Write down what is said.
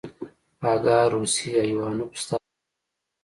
اگه روسی ايوانوف ستا دښمن.